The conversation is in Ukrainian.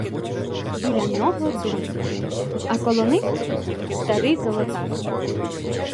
Біля нього донька, а коло них — старий золотар.